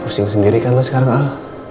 pusing sendiri kan lo sekarang al